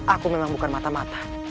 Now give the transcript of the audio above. aku memang bukan mata mata